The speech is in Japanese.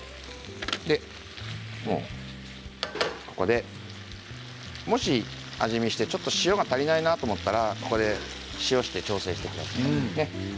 ここで、もし味見してちょっと塩が足りないなと思ったら、ここで塩をして調整をしてください。